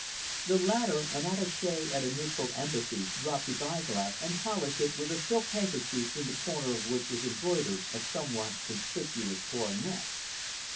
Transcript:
The latter, an attache at a neutral Embassy, dropped his eyeglass and polished it with a silk handkerchief, in the corner of which was embroidered a somewhat conspicuous coronet.